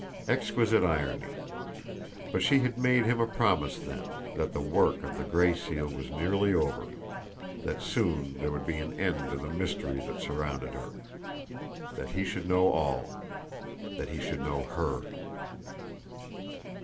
Exquisite irony! But she had made him a promise then that the work of the Gray Seal was nearly over that soon there would be an end to the mystery that surrounded her that he should know all that he should know HER.